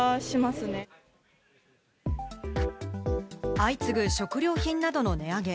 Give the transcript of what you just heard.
相次ぐ食料品などの値上げ。